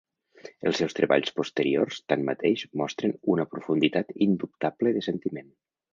Els seus treballs posteriors, tanmateix, mostren una profunditat indubtable de sentiment.